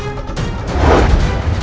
aku akan menang